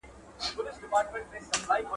نړیوال پارلمانونه څنګه جوړیږي؟